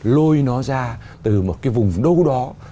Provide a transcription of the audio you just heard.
lôi nó ra từ một cái vùng đâu đó